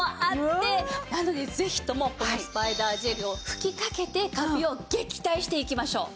なのでぜひともスパイダージェルを吹きかけてカビを撃退していきましょう。